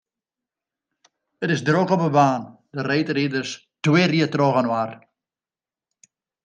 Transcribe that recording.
It is drok op 'e baan, de reedriders twirje trochinoar.